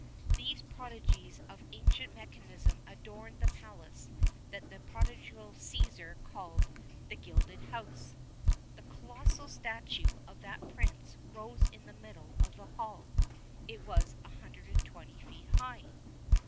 [XXXI 6] These prodigies of ancient mechanism adorned the palace that the prodigal Cæsar called "the gilded house."[XXXI 7] The colossal statue of that prince rose in the middle of the hall: it was 120 feet high!